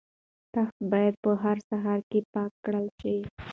تخت باید په هره سهار پاک کړل شي.